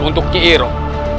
untuk nyi iroh